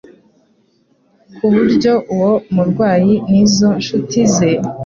ku buryo uwo murwayi n'izo nshuti ze,